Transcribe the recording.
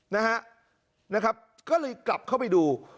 นะฮะนะครับก็เลยกลับเข้าไปดู